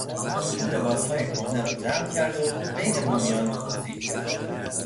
او لباسهای کهنه را جمع کرد و بین بومیان توزیع کرد.